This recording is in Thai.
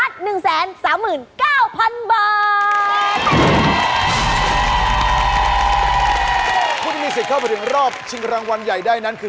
ผู้ที่มีสิทธิ์เข้ามาถึงรอบชิงรางวัลใหญ่ได้นั้นคือ